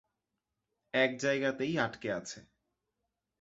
একজায়গাতেই আটকে আছে।